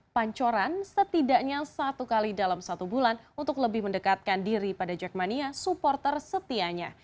pancoran setidaknya satu kali dalam satu bulan untuk lebih mendekatkan diri pada jackmania supporter setianya